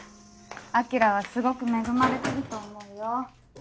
晶はすごく恵まれてると思うよ。